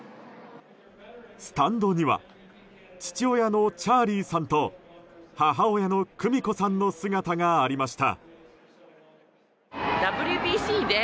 スタンドには父親のチャーリーさんと母親の久美子さんの姿がありました。